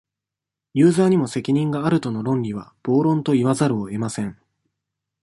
ユーザーにも責任がある、との論理は、暴論と言わざるをえません。